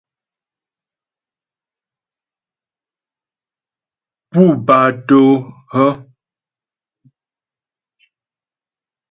Pú batô hə́ ?